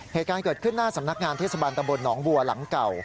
เหตุการณ์เกิดขึ้นหน้าสำนักงานเทศบาลตำบลหนองบัวหลังเก่า